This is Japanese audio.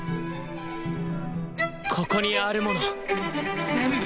ここにあるもの全部！